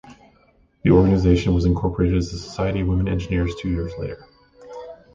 The organization was incorporated as the Society of Women Engineers two years later.